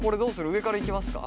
上からいきますか？